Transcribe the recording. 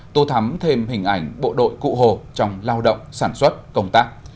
tô thắm thêm hình ảnh bộ đội cụ hồ trong lao động sản xuất công tác